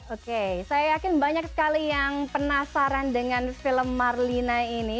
oke saya yakin banyak sekali yang penasaran dengan film marlina ini